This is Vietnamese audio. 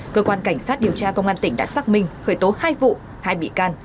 cơ quan cảnh sát điều tra công an tỉnh đã xác minh khởi tố hai vụ hai bị can